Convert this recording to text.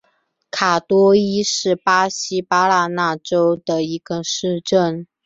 坎多伊是巴西巴拉那州的一个市镇。